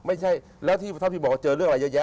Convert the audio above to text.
ไม่ใช่แล้วที่ทัพทิมบอกเจอเรื่องอะไรเยอะ